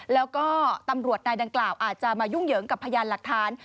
แล้วก็ตำรวจนายดังกล่าวอาจจะมายุ่งเหยิงกับพยานหลักฐาน